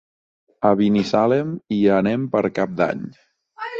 A Binissalem hi anem per Cap d'Any.